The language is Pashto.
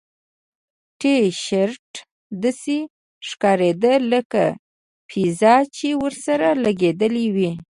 ټي شرټ داسې ښکاریده لکه پیزا چې ورسره لګیدلې وي